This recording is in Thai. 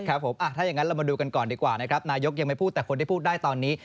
ถ้าผมถ้าอย่างนั้นเรามาดูกันก่อนดีกว่านะครับนายกยังไม่พูดแต่คนที่พูดได้ตอนนี้